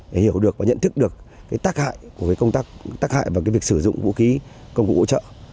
để hiểu được và nhận thức được tác hại và việc sử dụng vũ khí công cụ hỗ trợ